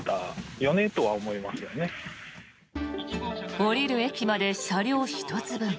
降りる駅まで車両１つ分。